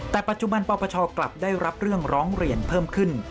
แต่ปัจจุบันปปชกลับได้รับเรื่องร้องเรียนเพิ่มขึ้น